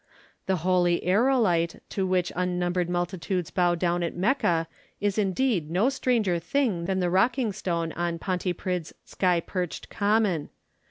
The holy aerolite to which unnumbered multitudes bow down at Mecca is indeed no stranger thing than the rocking stone on Pontypridd's sky perched common.